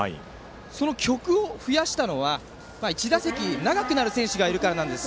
その曲を増やしたのは１打席が長くなる選手なんです。